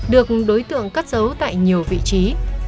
được đối tượng cắt giấu tại nhiều vị trí